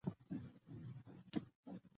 احمد ته مې پر سترګو توره شوه.